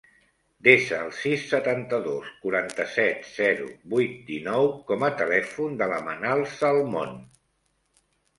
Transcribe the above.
Desa el sis, setanta-dos, quaranta-set, zero, vuit, dinou com a telèfon de la Manal Salmon.